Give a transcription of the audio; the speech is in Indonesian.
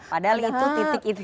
padahal itu titik itu